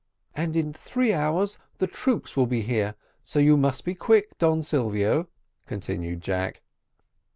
"And in three hours the troops will be here, so you must be quick, Don Silvio," continued Jack.